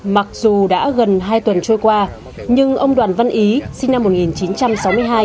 mặc dù đã gần hai tuần trôi qua nhưng ông đoàn văn ý sinh năm một nghìn chín trăm sáu mươi hai